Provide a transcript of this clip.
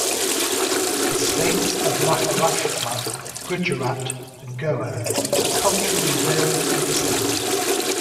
The states of Maharashtra, Gujarat and Goa are culturally varied and distinct.